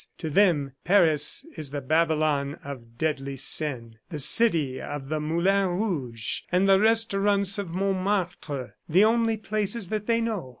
To them Paris is the Babylon of the deadly sin, the city of the Moulin Rouge and the restaurants of Montmartre, the only places that they know.